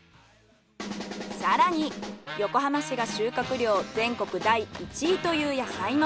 更に横浜市が収穫量全国第１位という野菜も。